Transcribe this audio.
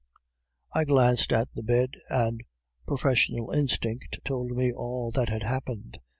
I glanced at the bed, and professional instinct told me all that had happened.